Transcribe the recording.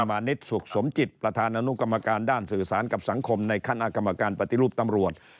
มานิดสุขสมจิตประธานอนุกรรมการด้านสื่อสารกับสังคมในคณะกรรมการปฏิรูปตำรวจ